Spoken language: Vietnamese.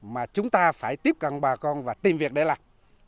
mà chúng ta phải tiếp cận bà con và tìm việc để làm